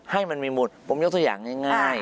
ให้มันมีหมดผมยกตัวอย่างง่าย